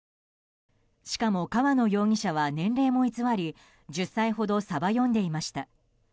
しかも、河野容疑者は年齢も偽り１０歳ほどサバ読んでいました。